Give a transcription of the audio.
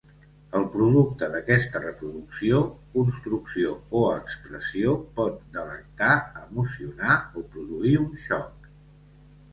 El producte d'aquesta reproducció, construcció o expressió pot delectar, emocionar o produir un xoc.